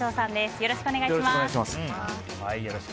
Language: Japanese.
よろしくお願いします。